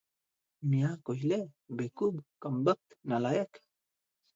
"ମିଆଁ କହିଲେ "ବେକୁବ, କମ୍ବକ୍ତ, ନାଲାଏକ୍" ।